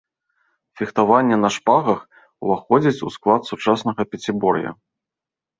Фехтаванне на шпагах уваходзіць у склад сучаснага пяцібор'я.